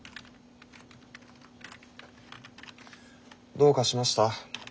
どうかしました？